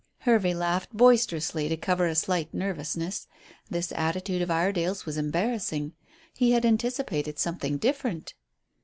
Hervey laughed boisterously to cover a slight nervousness. This attitude of Iredale's was embarrassing. He had anticipated something different.